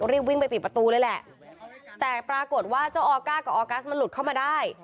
รีบวิ่งไปปิดประตูเลยแหละแต่ปรากฏว่าเจ้าออก้ากับออกัสมันหลุดเข้ามาได้